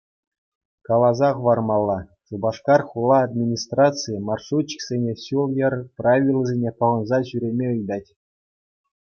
Каласа хӑвармалла: Шупашкар хула администрацийӗ маршрутчиксене ҫул-йӗр правилисене пӑхӑнса ҫӳреме ыйтать.